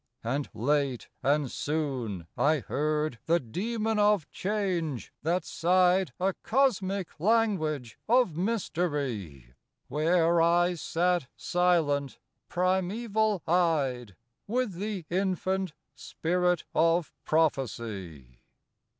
And late and soon I heard the Dæmon of Change that sighed A cosmic language of mystery; Where I sat silent, primeval eyed, With the infant Spirit of Prophecy.